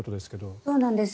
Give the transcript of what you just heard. そうなんです。